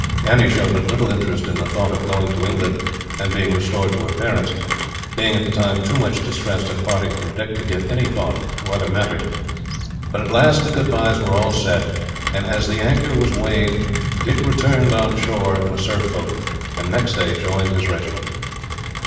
Annie showed but little interest in the thought of going to England, and being restored to her parents, being at the time too much distressed at parting from Dick to give any thought to other matters. But at last the goodbyes were all said, and, as the anchor was weighed, Dick returned on shore in a surf boat, and next day joined his regiment.